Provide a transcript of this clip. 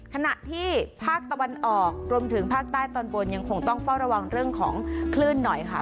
ขณะที่ภาคตะวันออกรวมถึงภาคใต้ตอนบนยังคงต้องเฝ้าระวังเรื่องของคลื่นหน่อยค่ะ